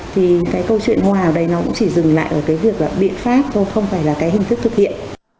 thì cái câu chuyện hô hào ở đây nó cũng chỉ dừng lại ở cái việc là biện pháp thôi không phải là cái hình thức thực hiện